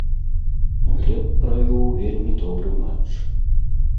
Глеб правёў вельмі добры матч.